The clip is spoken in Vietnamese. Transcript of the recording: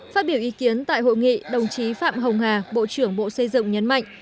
phát biểu ý kiến tại hội nghị đồng chí phạm hồng hà bộ trưởng bộ xây dựng nhấn mạnh